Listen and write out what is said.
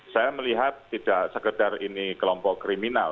saya melihat tidak sekedar ini kelompok kriminal